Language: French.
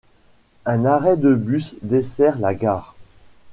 Un arrêt de bus dessert la gare.